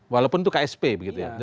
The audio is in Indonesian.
walaupun itu ksp begitu ya